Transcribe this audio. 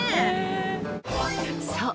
［そう！